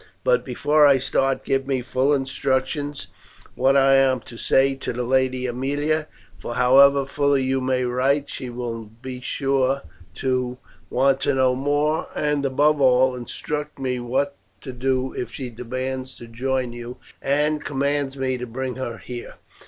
But before I start give me full instructions what I am to say to the Lady Aemilia; for however fully you may write, she will be sure to want to know more, and, above all, instruct me what to do if she demands to join you, and commands me to bring her here.